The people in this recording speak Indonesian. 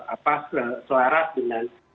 apa sesuara dengan